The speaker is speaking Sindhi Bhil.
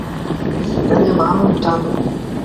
جڏهيݩ مآڻهآݩ ڏٽآݩدون۔